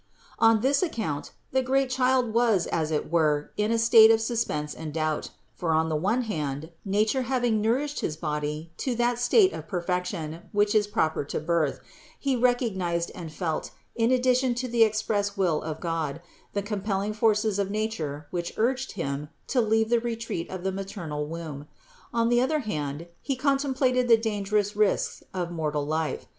271. On this account the great child was as it were in a state of suspense and doubt: for on the one hand, nature having nourished his body to that state of perfec tion, which is proper to birth, he recognized and felt, in addition to the express will of God, the compelling forces of nature which urged him to leave the retreat of the maternal womb. On the other hand he contemplated the dangerous risks of mortal life.